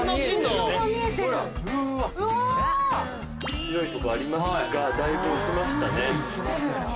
強いとこありますがだいぶ落ちましたね。